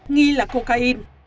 nghi là cocaine